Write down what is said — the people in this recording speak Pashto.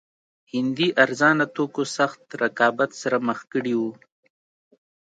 هندي ارزانه توکو سخت رقابت سره مخ کړي وو.